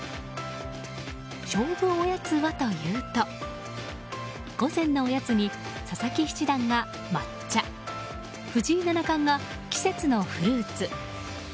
勝負おやつはというと午前のおやつに佐々木七段が抹茶藤井七冠が季節のフルーツ。